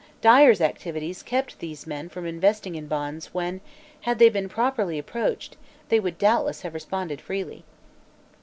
Dyer's activities kept these men from investing in bonds when, had they been properly approached, they would doubtless have responded freely."